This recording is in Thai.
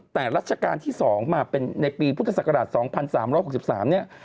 แต่รัชกาลที่๒มาเป็นในปีพุทธศักราช๒๓๖๓เนี่ย